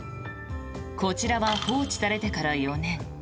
こちらは放置されてから４年。